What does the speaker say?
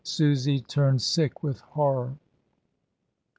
Susy turned sick with horror.